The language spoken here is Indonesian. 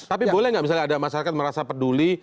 tapi boleh nggak misalnya ada masyarakat merasa peduli